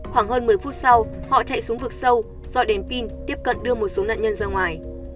khoảng hơn một mươi phút sau họ chạy xuống vực sâu dọn đèn pin tiếp cận đưa một số nạn nhân ra ngoài